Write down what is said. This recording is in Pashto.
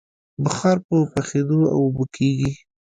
بخار په یخېدو اوبه کېږي.